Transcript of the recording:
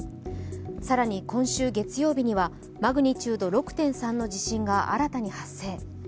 更に、今週月曜日にはマグニチュード６．３の地震が新たに発生。